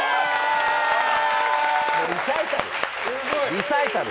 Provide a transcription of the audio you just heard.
リサイタル。